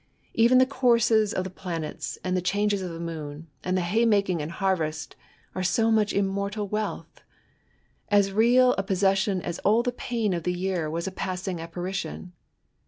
Even the courses of the planets, and the changes of the moon, and the hay making and harvest, are so much immortal wealth — as real a possession as all the pain of the year was a passing apparition.